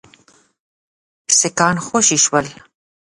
سیکهان خوشي شول.